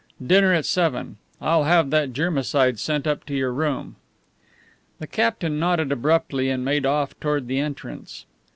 Dinner at seven. I'll have that germicide sent up to your room." The captain nodded abruptly and made off toward the entrance.